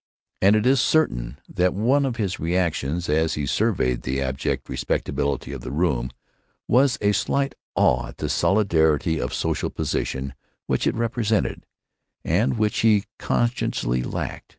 And it is certain that one of his reactions as he surveyed the abject respectability of that room was a slight awe of the solidity of social position which it represented, and which he consciously lacked.